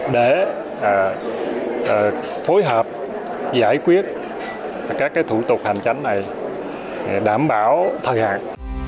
để phối hợp giải quyết các thủ tục hành tránh này đảm bảo thời hạn